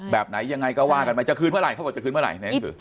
แบบไหนยังไงก็ว่ากันไปจะคืนเมื่อไหร่เขาบอกจะคืนเมื่อไหร่